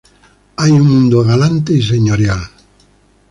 Hay un mundo galante y señorial.